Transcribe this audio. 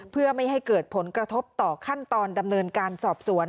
เพื่อไม่ให้เกิดผลกระทบต่อขั้นตอนดำเนินการสอบสวน